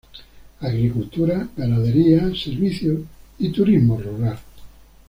Agricultura, ganadería, servicios y turismo rural.